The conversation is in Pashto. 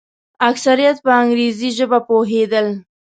اکثریت په انګریزي ژبه پوهېدل.